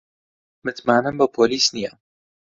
متمانەم بە پۆلیس نییە.